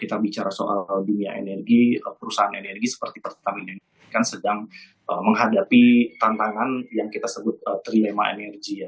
kita bicara soal dunia energi perusahaan energi seperti pertamina kan sedang menghadapi tantangan yang kita sebut tiga ema energy ya